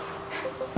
putri kemana ya